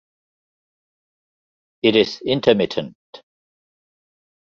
It is intermittent.